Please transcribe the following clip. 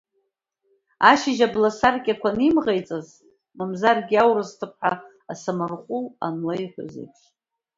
Ашьыжь, абласаркьақәа анимӷеиҵаз, мамзаргьы аурыс ҭыԥҳа асамарҟәыл анлеиҳәоз еиԥш.